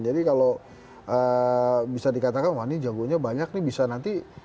jadi kalau bisa dikatakan wah ini jagonya banyak nih bisa nanti